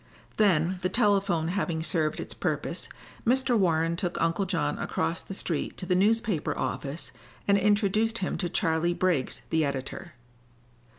Then, the telephone having served its purpose, Mr. Warren took Uncle John across the street to the newspaper office and introduced him to Charley Briggs, the editor.